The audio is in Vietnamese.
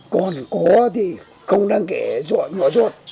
còn có thì không đáng kể dọa nhỏ dọa